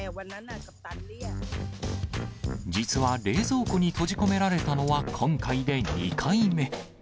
実は冷蔵庫に閉じ込められたのは、今回で２回目。